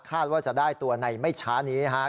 ว่าจะได้ตัวในไม่ช้านี้นะครับ